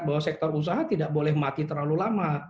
bahwa sektor usaha tidak boleh mati terlalu lama